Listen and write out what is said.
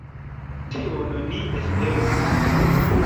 Tion ni esperu.